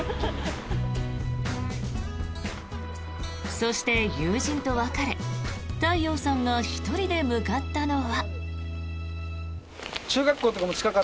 そして、友人と別れ太陽さんが１人で向かったのは。